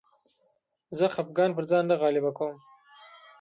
زه خپګان پر ځان نه غالبه کوم.